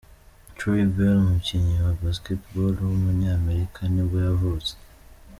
Troy Bell, umukinnyi wa basketball w’umunyamerika nibwo yavutse.